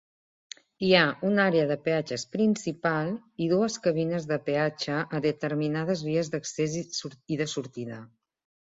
Hi ha una àrea de peatges principal i dues cabines de peatge a determinades vies d'accés i de sortida.